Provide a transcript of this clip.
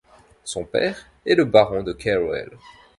Son père est le baron de Carewall.